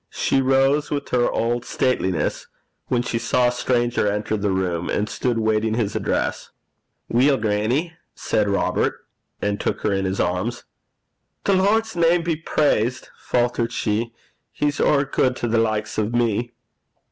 She rose with her old stateliness when she saw a stranger enter the room, and stood waiting his address. 'Weel, grannie,' said Robert, and took her in his arms. 'The Lord's name be praised!' faltered she. 'He's ower guid to the likes o' me.'